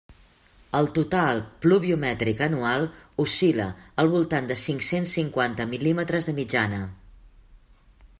El total pluviomètric anual oscil·la al voltant de cinc-cents cinquanta mil·límetres de mitjana.